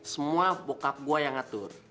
semua bokap gua yang ngatur